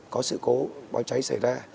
có sự cố báo cháy xảy ra